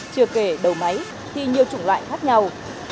chưa kể đầu máy thì nhiều chủng loại khác nhau